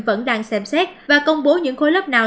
vẫn đang xem xét và công bố những khối lớp nào